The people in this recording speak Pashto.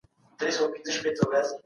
خدای انسان ته د فکر کولو وړتیا ورکړي ده.